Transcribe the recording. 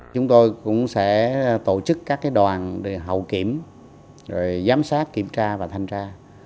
chúng tôi cũng sẽ tổ chức các đoàn hậu kiểm giám sát kiểm tra và thanh tra